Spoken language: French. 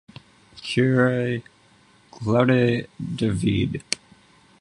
Curé: Claude David.